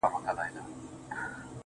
o ولي مي هره شېبه، هر ساعت په غم نیسې.